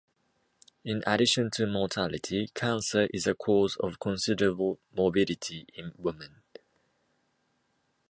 In addition to mortality, cancer is a cause of considerable morbidity in women.